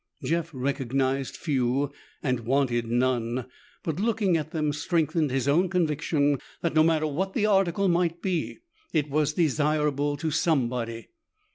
Jeff recognized few and wanted none, but looking at them strengthened his own conviction that, no matter what the article might be, it was desirable to somebody.